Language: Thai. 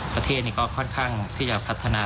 ประเทศนี้ก็ค่อนข้างที่จะพัฒนา